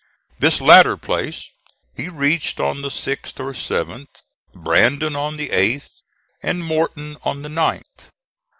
This latter place he reached on the 6th or 7th, Brandon on the 8th, and Morton on the 9th.